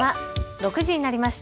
６時になりました。